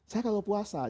saya kalau puasa